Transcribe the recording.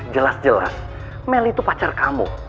jelas jelas melly itu pacar kamu